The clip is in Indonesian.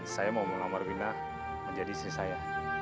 saya mau mengamalkan wina menjadi istri saya